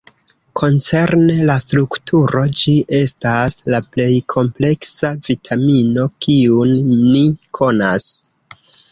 Koncerne la strukturo ĝi estas la plej kompleksa vitamino kiun ni konas.